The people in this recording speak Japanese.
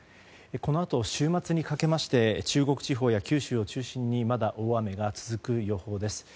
このあと週末にかけまして中国地方や九州を中心にまだ大雨が続く予報です。